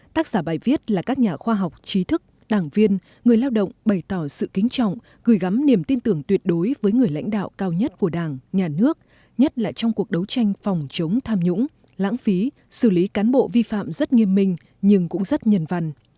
tác giả bài viết là các nhà khoa học trí thức đảng viên người lao động bày tỏ sự kính trọng gửi gắm niềm tin tưởng tuyệt đối với người lãnh đạo cao nhất của đảng nhà nước nhất là trong cuộc đấu tranh phòng chống tham nhũng lãng phí xử lý cán bộ vi phạm rất nghiêm minh nhưng cũng rất nhân văn